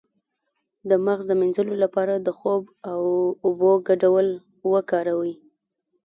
د مغز د مینځلو لپاره د خوب او اوبو ګډول وکاروئ